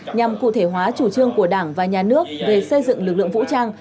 nhằm cụ thể hóa chủ trương của đảng và nhà nước về xây dựng lực lượng vũ trang